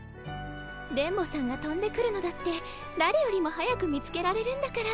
電ボさんがとんでくるのだってだれよりも早く見つけられるんだから。